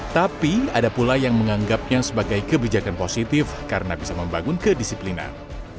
tapi ada pula yang menganggapnya sebagai kebijakan positif karena bisa membangun kedisiplinan